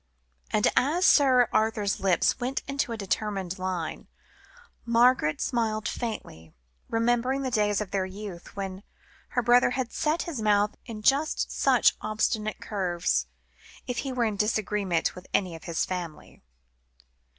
And as Sir Arthur's lips went into a determined line, Margaret smiled faintly, remembering the days of their youth, when her brother had set his mouth in just such obstinate curves, if he were in disagreement with any of his family.